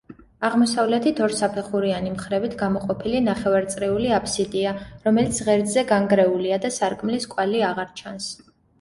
აღმოსავლეთით, ორსაფეხურიანი მხრებით გამოყოფილი ნახევარწრიული აფსიდია, რომელიც ღერძზე განგრეულია და სარკმლის კვალი აღარ ჩანს.